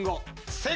正解。